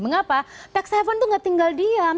mengapa tax haven itu nggak tinggal diam